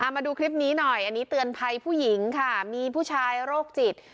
มาดูคลิปนี้หน่อยอันนี้เตือนภัยผู้หญิงค่ะมีผู้ชายโรคจิต